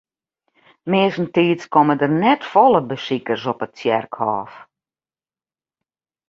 Meastentiids komme der net folle besikers op it tsjerkhôf.